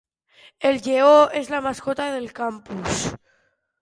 El lleó és la mascota del campus.